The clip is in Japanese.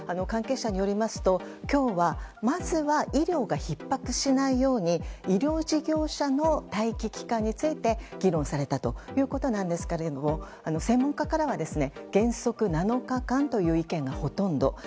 関係者によりますと今日はまずは医療がひっ迫しないように医療従事者の待機期間について議論されたということなんですが専門家からは原則７日間という意見がほとんど。